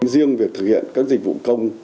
riêng việc thực hiện các dịch vụ công